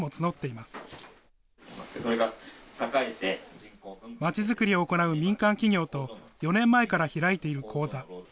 まちづくりを行う民間企業と４年前から開いている講座。